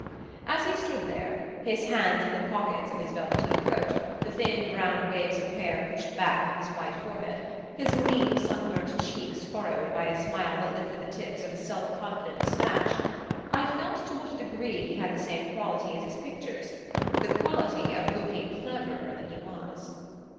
As he stood there, his hands in the pockets of his velveteen coat, the thin brown waves of hair pushed back from his white forehead, his lean sunburnt cheeks furrowed by a smile that lifted the tips of a self confident moustache, I felt to what a degree he had the same quality as his pictures the quality of looking cleverer than he was.